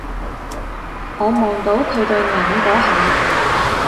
我望到佢對眼嗰下